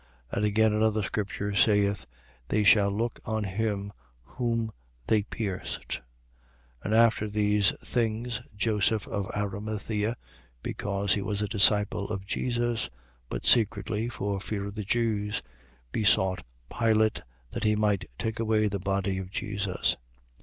19:37. And again another scripture saith: They shall look on him whom they pierced. 19:38. And after these things, Joseph of Arimathea (because he was a disciple of Jesus, but secretly for fear of the Jews), besought Pilate that he might take away the body of Jesus.